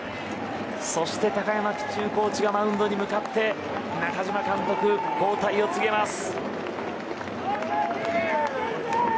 そして高山ピッチングコーチがマウンドに向かって中嶋監督、交代を告げます。